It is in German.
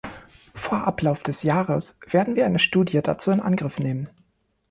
Vor Ablauf des Jahres werden wir eine Studie dazu in Angriff nehmen.